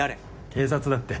警察だって。